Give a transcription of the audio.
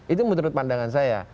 itu menurut pandangan saya